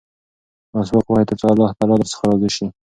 مسواک ووهئ ترڅو الله تعالی درڅخه راضي شي.